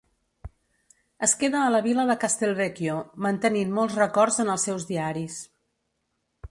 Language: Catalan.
Es queda a la vila de Castelvecchio, mantenint molts records en els seus diaris.